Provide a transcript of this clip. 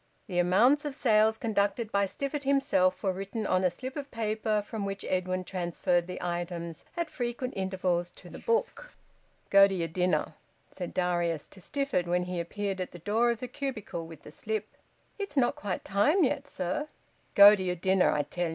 The amounts of sales conducted by Stifford himself were written on a slip of paper from which Edwin transferred the items at frequent intervals to the book. "Go to yer dinner," said Darius to Stifford, when he appeared at the door of the cubicle with the slip. "It's not quite time yet, sir." "Go to yer dinner, I tell ye."